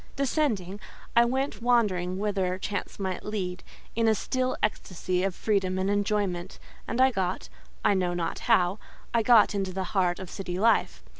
Descending, I went wandering whither chance might lead, in a still ecstasy of freedom and enjoyment; and I got—I know not how—I got into the heart of city life.